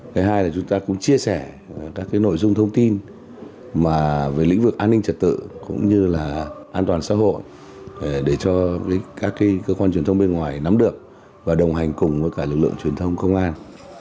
cái hai là chúng ta cũng chia sẻ các nội dung thông tin về lĩnh vực an ninh trật tự cũng như là an toàn xã hội để cho các cơ quan truyền thông bên ngoài nắm được và đồng hành cùng với cả lực lượng truyền thông công an